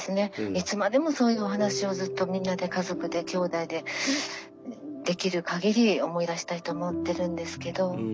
いつまでもそういうお話をずっとみんなで家族できょうだいでできるかぎり思い出したいと思ってるんですけど。